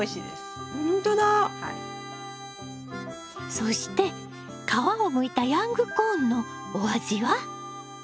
そして皮をむいたヤングコーンのお味は？